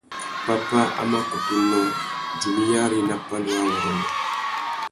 Pápá a má kutu nnô, djumiyari nà pandúrâwurrôndô.